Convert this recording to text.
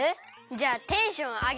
じゃあテンションあげ